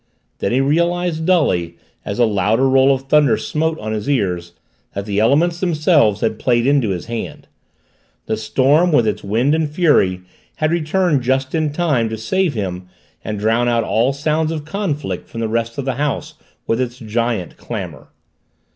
Then he realized dully, as a louder roll of thunder smote on his ears, that the elements themselves had played into his hand. The storm, with its wind and fury, had returned just in time to save him and drown out all sounds of conflict from the rest of the house with its giant clamor.